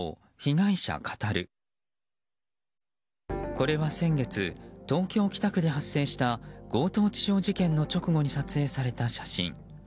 これは先月東京・北区で発生した強盗致傷事件の直後に撮影された写真。